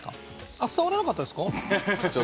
伝わらなかったですか？